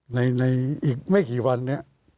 ในอีกไม่กี่วันเนี่ย